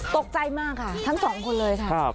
ตกใจมากค่ะทั้งสองคนเลยค่ะ